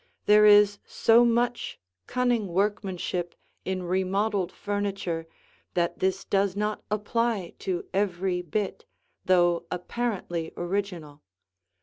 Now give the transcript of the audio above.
There is so much cunning workmanship in remodeled furniture that this does not apply to every bit, though apparently original.